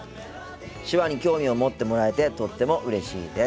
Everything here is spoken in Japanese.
手話に興味を持ってもらえてとってもうれしいです。